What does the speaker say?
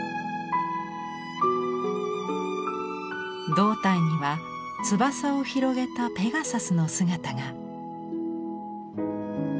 胴体には翼を広げたペガサスの姿が。